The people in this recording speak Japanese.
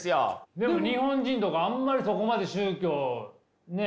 でも日本人とかあんまりそこまで宗教ね。